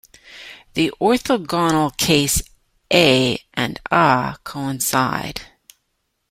In the orthogonal case, "A" and "Ã" coincide.